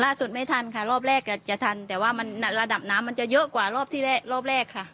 ไม่ทันค่ะรอบแรกก็จะทันแต่ว่ามันระดับน้ำมันจะเยอะกว่ารอบที่รอบแรกค่ะ